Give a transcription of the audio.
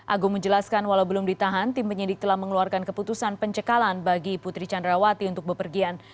agung menjelaskan walau belum ditahan tim penyidik telah mengeluarkan keputusan pencekalan bagi putri candrawati untuk bepergian